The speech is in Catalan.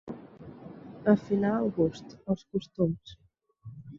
Afinar el gust, els costums.